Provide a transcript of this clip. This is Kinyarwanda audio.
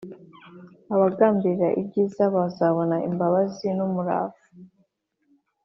abagambirira ibyiza bazabona imbabazi n’umurava